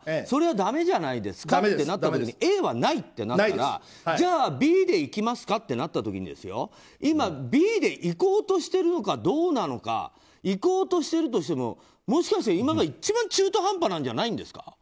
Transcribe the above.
そりゃだめじゃないですかってなった時にＡはないってなったらじゃあＢでいきますかってなった時に、今、Ｂでいこうとしてるのかどうなのかいこうとしてるとしてももしかしたら今が一番中途半端じゃないんですか？